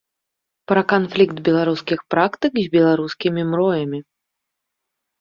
Пра канфлікт беларускіх практык з беларускімі мроямі.